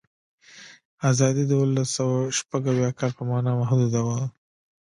آزادي د اوولسسوهشپږاویا کال په معنا محدوده وه.